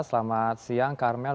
selamat siang karmel